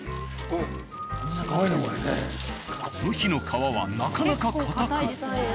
この日の革はなかなか硬く。